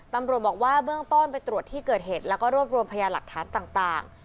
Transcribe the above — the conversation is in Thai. ตำรวจบอกว่าเบื้องต้นไปตรวจที่เกิดเหตุแล้วก็รวบรวมพยานหลักฐานต่าง